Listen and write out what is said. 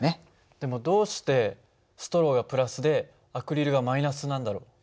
でもどうしてストローがでアクリルがなんだろう？